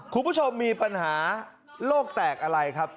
คุณผู้ชมมีปัญหาโรคแตกอะไรครับ